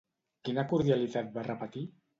Quina cordialitat va repetir?